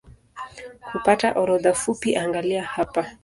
Kupata orodha fupi angalia hapa